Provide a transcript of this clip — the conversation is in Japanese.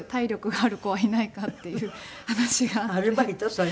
それ。